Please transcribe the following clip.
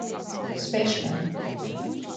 Spešnai.